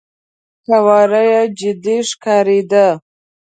قواره يې جدي ښکارېده.